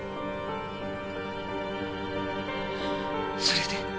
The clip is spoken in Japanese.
それで？